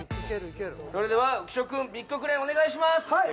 それでは浮所君ビッグクレーンお願いしますはい！